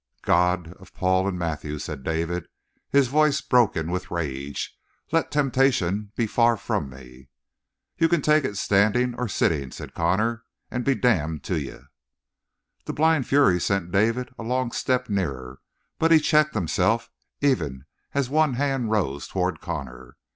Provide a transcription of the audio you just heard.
"God of Paul and Matthew," said David, his voice broken with rage, "let temptation be far from me!" "You can take it standing or sitting," said Connor, "and be damned to you!" The blind fury sent David a long step nearer, but he checked himself even as one hand rose toward Connor.